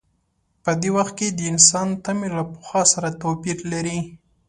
په دې وخت کې د انسان تمې له پخوا سره توپیر لري.